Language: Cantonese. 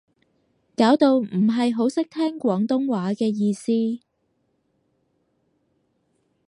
搞到唔係好識聽廣東話嘅意思